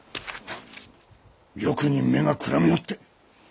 欲に目がくらみおって。